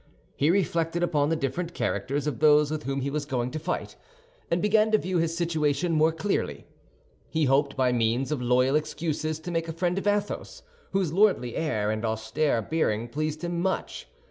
He reflected upon the different characters of those with whom he was going to fight, and began to view his situation more clearly. He hoped, by means of loyal excuses, to make a friend of Athos, whose lordly air and austere bearing pleased him much.